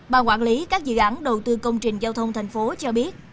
bà quản lý các dự án đầu tư công trình giao thông tp hcm cho biết